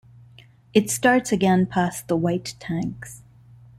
It starts again past the White Tanks.